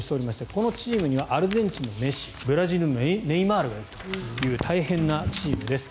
このチームにはアルゼンチンのメッシブラジルのネイマールがいるという大変なチームです。